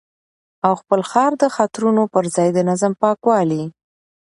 او خپل ښار د خطرونو پر ځای د نظم، پاکوالي